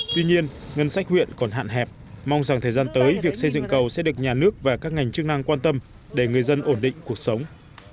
tuy nhiên ngân sách huyện còn hạn hẹp mong rằng thời gian tới việc xây dựng cầu sẽ được nhà nước và các ngành chức năng quan tâm để người dân ổn định cuộc sống